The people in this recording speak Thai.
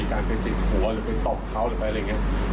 การไปจิกหัวหรือไปตบเขาหรือไปอะไรอย่างนี้